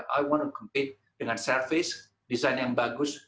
saya ingin bergantung dengan peralatan desain yang bagus